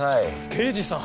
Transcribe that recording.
刑事さん。